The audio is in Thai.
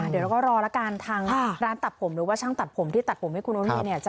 เดี๋ยวเราก็รอละกันทางร้านตัดผมหรือว่าช่างตัดผมที่ตัดผมให้คุณโอเวนเนี่ย